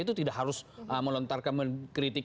itu tidak harus melontarkan mengkritik